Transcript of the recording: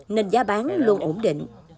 nên giá bán luôn ổn định